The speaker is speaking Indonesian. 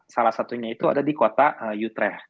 salah satunya itu ada di kota utre